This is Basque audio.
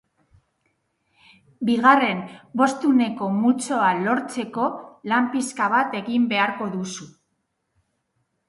Bigarren bostehuneko multzoa lortzeko lan pixka bat egin beharko duzu.